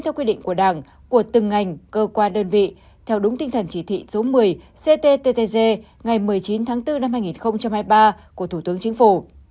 theo quy định của đảng của từng ngành cơ quan đơn vị theo đúng tinh thần chỉ thị số một mươi cttg ngày một mươi chín tháng bốn năm hai nghìn hai mươi ba của thủ tướng chính phủ